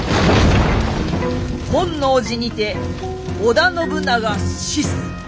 本能寺にて織田信長死す。